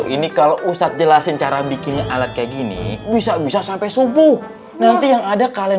ini kalau ustadz jelasin cara bikinnya alat kayak gini bisa bisa sampai subuh nanti yang ada kalian